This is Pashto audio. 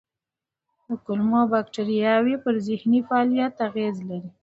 کولمو بکتریاوې د ذهني فعالیت پر اغېز لري.